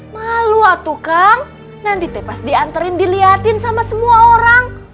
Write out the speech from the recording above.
malu a tukang nanti pas dianterin dilihatin sama semua orang